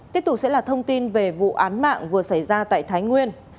tiếp tục sẽ là thông tin về vụ án mạng vừa xảy ra tại thái nguyên